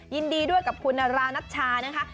ยินดีด้วยกับคุณนารานัชชานะคะ